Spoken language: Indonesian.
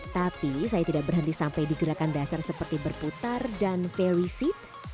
tapi saya tidak berhenti sampai di gerakan dasar seperti berputar dan very seat